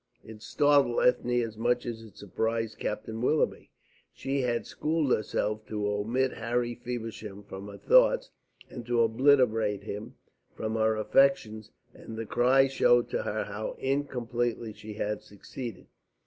It startled Ethne as much as it surprised Captain Willoughby. She had schooled herself to omit Harry Feversham from her thoughts, and to obliterate him from her affections, and the cry showed to her how incompletely she had succeeded.